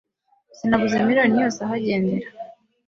sinabuze miliyoni yose ahagendera